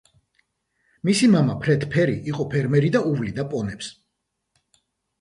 მისი მამა, ფრედ ფერი, იყო ფერმერი და უვლიდა პონებს.